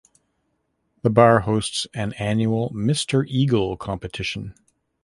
The bar hosts an annual Mister Eagle competition.